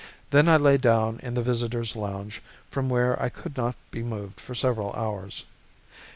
Then I lay down in the Visitors Lounge from where I could not be moved for several hours.